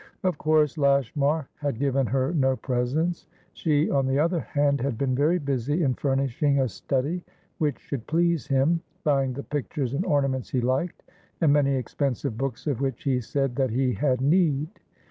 Of course Lashmar had given her no presents; she, on the other hand, had been very busy in furnishing a study which should please him, buying the pictures and ornaments he liked, and many expensive books of which he said that he had need.